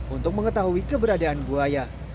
untuk mengetahui keberadaan buaya